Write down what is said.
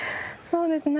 そうですね。